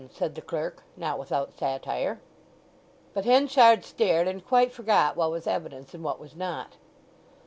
said the clerk, not without satire. But Henchard stared, and quite forgot what was evidence and what was not.